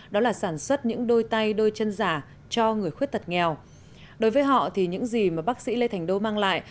đó là sản xuất những đôi tay đôi chân giả cho người khuyết tật nghèo đối với họ thì những gì mà bác sĩ lê thành đô mang lại